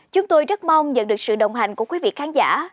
chúng tôi rất mong nhận được sự đồng hành của quý vị khán giả